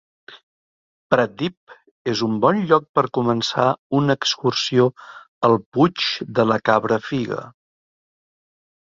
Pratdip és un bon lloc per començar una excursió al Puig de la Cabrafiga.